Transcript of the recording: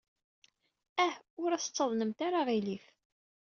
Ah, ur as-ttaḍnemt ara aɣilif.